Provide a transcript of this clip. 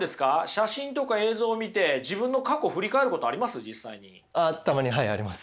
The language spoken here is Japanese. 写真とか映像を見て自分の過去を振り返ることあります？